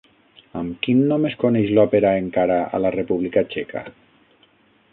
Amb quin nom es coneix l'òpera encara a la República Txeca?